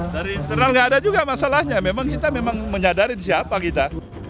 dari internal nggak ada juga masalahnya memang kita memang menyadari siapa kita